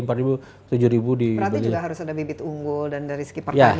berarti juga harus ada bibit unggul dan dari segi pertanian